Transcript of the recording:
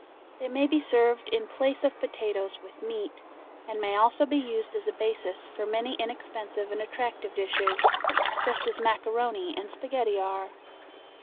It may be served in place of potatoes with meat, and may also be used as a basis for many inexpensive and attractive dishes, just as macaroni and spaghetti are.